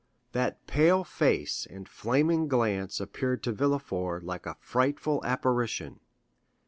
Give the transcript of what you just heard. That pale face and flaming glance appeared to Villefort like a frightful apparition.